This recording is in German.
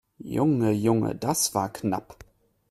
Junge, Junge, das war knapp!